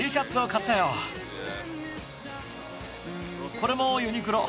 これもユニクロ。